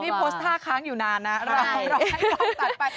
พี่โพสตาร์ค้างอยู่นานน่ะรอให้รอต่างไป